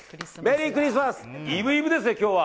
イブイブですね、今日は。